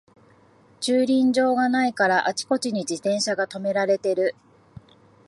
駐輪場がないからあちこちに自転車がとめられてる